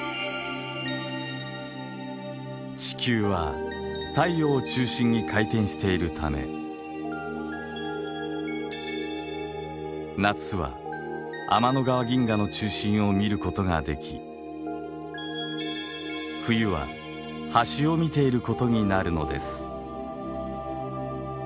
地球は太陽を中心に回転しているため夏は天の川銀河の中心を見ることができ冬は端を見ていることになるのです。